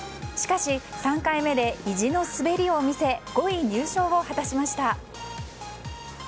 しかし３回目で意地の滑りを見せ５位入賞を果たしました。